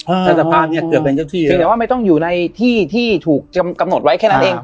แต่สภาพเนี้ยเกือบเป็นเจ้าที่เพียงแต่ว่าไม่ต้องอยู่ในที่ที่ถูกกำหนดไว้แค่นั้นเอง